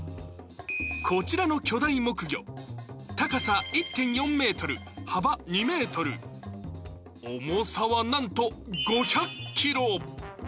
こちらの巨大木魚、高さ１．４ｍ、幅２ｍ、重さはなんと５００ｋｇ。